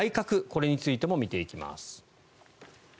これについても見ていきます。